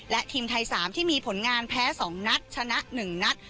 และทีมไทย๓ที่มีผลงานแพ้๒นัดชนะ๑นัด